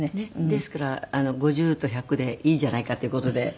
ですから５０と１００でいいじゃないかという事で。